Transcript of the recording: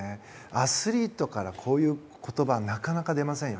アスリートからこういう言葉なかなか出ませんよ。